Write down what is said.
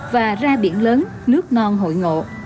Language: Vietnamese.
và ra biển lớn nước non hội ngộ